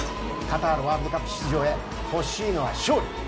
カタールワールドカップ出場へ欲しいのは、勝利！